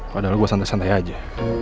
padahal gue santai santai aja